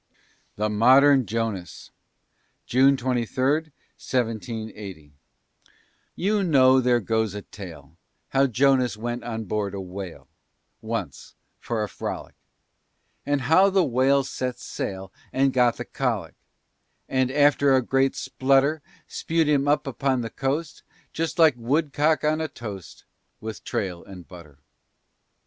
THE MODERN JONAS [June 23, 1780] You know there goes a tale, How Jonas went on board a whale, Once, for a frolic; And how the whale Set sail And got the cholic; And, after a great splutter, Spew'd him up upon the coast, Just like woodcock on a toast, With trail and butter.